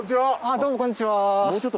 どうもこんにちは。